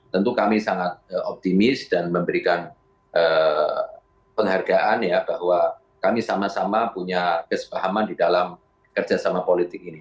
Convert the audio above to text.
tentu kami sangat optimis dan memberikan penghargaan ya bahwa kami sama sama punya kesepahaman di dalam kerjasama politik ini